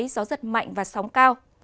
gió giật mạnh và sóng cao